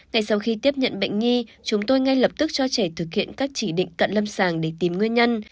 ngay sau khi tiếp nhận bệnh nhi chúng tôi ngay lập tức cho trẻ thực hiện các chỉ định cận lâm sàng để tìm nguyên nhân